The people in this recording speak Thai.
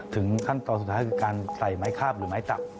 ขั้นตอนสุดท้ายคือการใส่ไม้คาบหรือไม้ตับ